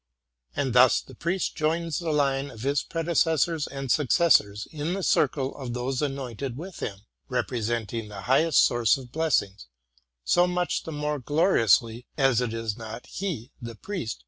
And thus the priest joins the line of his predecessors and successors, in the circle of those anointed with him, representing the highest source of bless ings, so much the more gloriously, as it is not he, the priest.